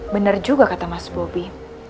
bener juga kata mas bobby